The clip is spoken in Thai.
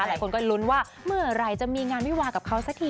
หลายคนก็ลุ้นว่าเมื่อไหร่จะมีงานวิวากับเขาสักที